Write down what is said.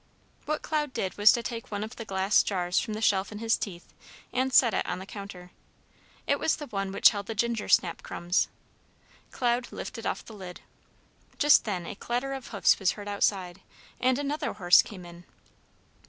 What Cloud did was to take one of the glass jars from the shelf in his teeth, and set it on the counter. It was the one which held the gingersnap crumbs. Cloud lifted off the lid. Just then a clatter of hoofs was heard outside, and another horse came in.